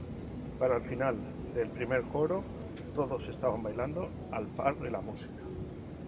Para el final del primer coro todos están bailando al par de la música.